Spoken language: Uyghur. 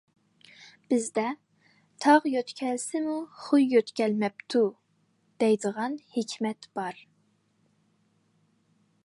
بىزدە‹‹ تاغ يۆتكەلسىمۇ خۇي يۆتكەلمەپتۇ›› دەيدىغان ھېكمەت بار.